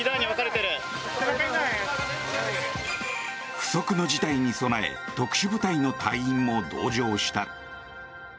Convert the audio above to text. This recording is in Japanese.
不測の事態に備え特殊部隊の隊員も同乗した。